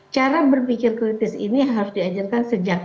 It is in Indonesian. cara berpikir kritis ini harus diajarkan sejak awal